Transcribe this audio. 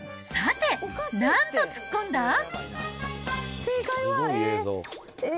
さて、なんと突っ込んだ？